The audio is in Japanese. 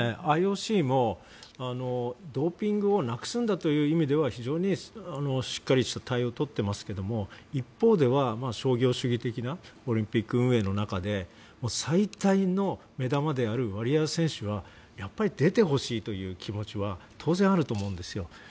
ＩＯＣもドーピングをなくすんだという意味では非常にしっかりした対応をとっていますが一方では商業主義的なオリンピック運営の中で最大の目玉であるワリエワ選手は出てほしいという気持ちは当然あると思うんですよ。